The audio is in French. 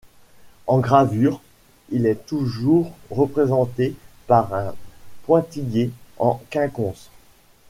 En gravure, il est toujours représenté par un pointillé en quinconce.